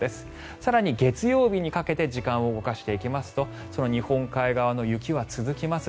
更に月曜日にかけて時間を動かしていきますと日本海側の雪は続きます。